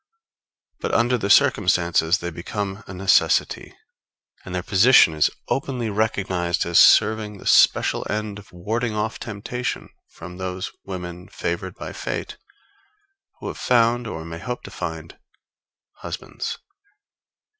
But under the circumstances they become a necessity; and their position is openly recognized as serving the special end of warding off temptation from those women favored by fate, who have found, or may hope to find, husbands.